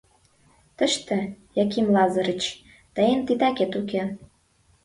Тыште, Яким Лазарыч, тыйын титакет уке.